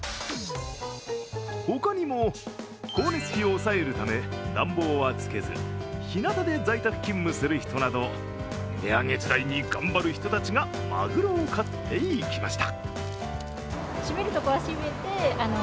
他にも光熱費を抑えるため暖房はつけず日なたで在宅勤務する人など、値上げ時代に頑張る人たちがマグロを買っていきました。